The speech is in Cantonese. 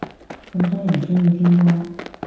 咁多人鍾意聽歌